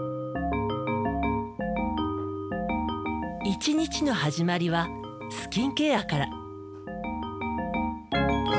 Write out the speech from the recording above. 一日の始まりはスキンケアから。